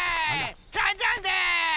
ジャンジャンです！